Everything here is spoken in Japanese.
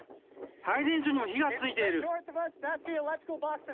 配電所にも火がついている。